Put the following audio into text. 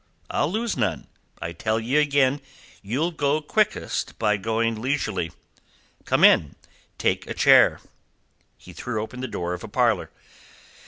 I'll lose none. I tell ye again, ye'll go quickest by going leisurely. Come in... take a chair..." He threw open the door of a parlour.